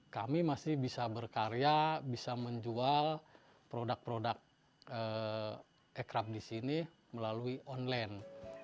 kami masih bisa berkarya bisa menjual produk produk ekrab di sini melalui online